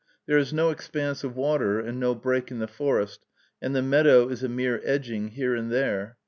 There is no expanse of water, and no break in the forest, and the meadow is a mere edging here and there.